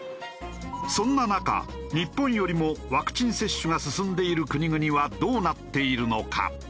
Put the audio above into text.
そんな中日本よりもワクチン接種が進んでいる国々はどうなっているのか？